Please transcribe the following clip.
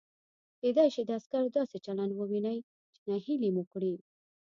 کېدای شي د عسکرو داسې چلند ووینئ چې نهیلي مو کړي.